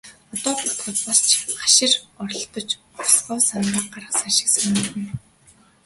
Одоо бодоход бас ч хашир оролдож, овоо овсгоо самбаа гаргасан шиг санагдана.